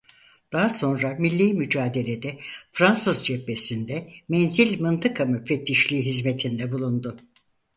Daha sonra Millî Mücadele'de Fransız cephesinde menzil mıntıka müfettişliği hizmetinde bulundu.